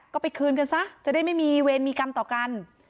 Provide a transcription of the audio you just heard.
ก็ไปคืนกันซะจะได้ไม่มีเวรมีกรรมต่อกัน